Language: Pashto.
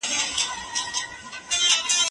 یو ډول یې فکري عوامل دي.